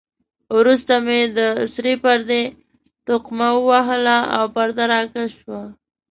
وروسته مې د سرې پردې تقمه ووهل او پرده را کش شوه.